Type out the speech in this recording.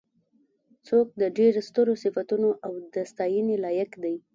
څوک د ډېرو سترو صفتونو او د ستاینې لایق دی.